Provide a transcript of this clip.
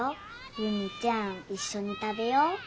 夕実ちゃんいっしょに食べよう。